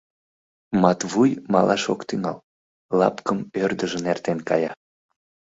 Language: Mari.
Матвуй малаш ок тӱҥал, лапкым ӧрдыжын эртен кая.